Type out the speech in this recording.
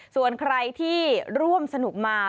ส่วนใครที่ร่วมสนุกมา